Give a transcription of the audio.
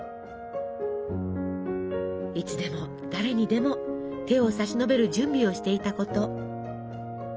いつでも誰にでも手を差し伸べる準備をしていたこと。